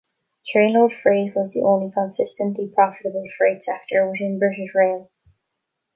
Trainload Freight was the only consistently profitable freight sector within British Rail.